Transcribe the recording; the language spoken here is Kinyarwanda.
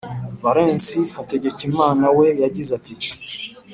valens hategekimana we yagize ati